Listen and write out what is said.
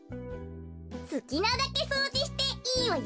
すきなだけそうじしていいわよ。